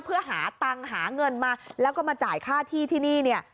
เพื่อหาตังค์หาเงินมาแล้วก็มาจ่ายค่าที่ที่นี่เนี่ย